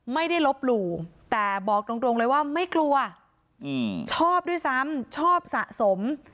ไม่ได้ลบหลู่แต่บอกตรงเลยว่าไม่กลัวชอบด้วยซ้ำชอบสะสม